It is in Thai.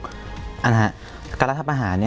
การรัฐภาษาอาหาร